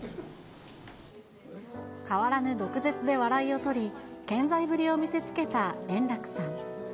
変わらぬ毒舌で笑いをとり、健在ぶりを見せつけた円楽さん。